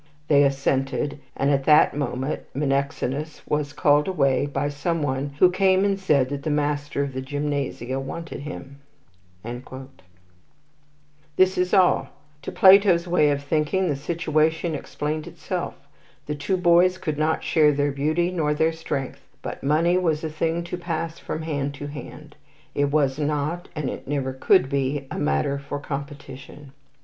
"They assented, and at that moment Menexenus was called away by some one who came and said that the master of the gymnasia wanted him." [Footnote 1: Lysis. Translated by Jowett.] This is all. To Plato's way of thinking, the situation explained itself. The two boys could not share their beauty nor their strength, but money was a thing to pass from hand to hand. It was not, and it never could be, a matter for competition.